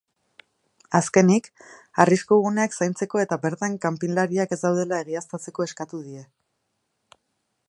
Azkenik, arrisku guneak zaintzeko eta bertan kanpinlariak ez daudela egiaztatzeko eskatu die.